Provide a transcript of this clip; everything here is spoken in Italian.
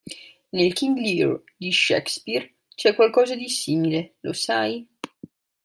Nel King Lear di Shakespeare c'è qualcosa di simile, lo sai?